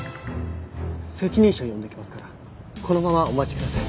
責任者を呼んできますからこのままお待ちください。